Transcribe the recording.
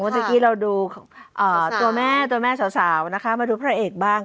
เมื่อกี้เราดูตัวแม่ตัวแม่สาวนะคะมาดูพระเอกบ้าง